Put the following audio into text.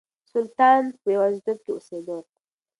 سلطان په يوازيتوب کې اوسېده.